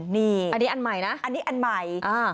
นี่อันนี้อันใหม่นะอันนี้อันใหม่